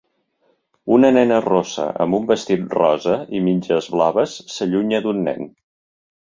Una nena rossa amb un vestit rosa i mitges blaves s'allunya d'un nen